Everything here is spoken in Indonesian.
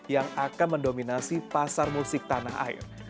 yang akan mendominasi pasar musik tanah air